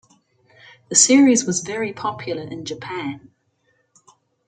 The series was very popular in Japan.